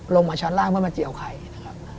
ลงมาช้อนล่างเพื่อมาเจียวไข่นะครับ